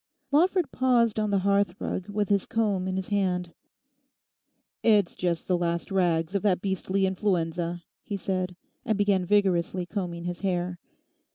Lawford paused on the hearth rug with his comb in his hand. 'It's just the last rags of that beastly influenza,' he said, and began vigorously combing his hair.